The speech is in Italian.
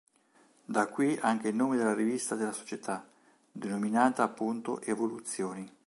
Da qui anche il nome della rivista della società, denominata appunto "Evoluzioni".